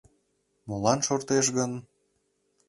Молан шортеш гын?